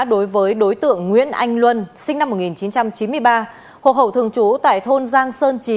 đối với đối tượng nguyễn anh luân sinh năm một nghìn chín trăm chín mươi ba hộ khẩu thường trú tại thôn giang sơn chín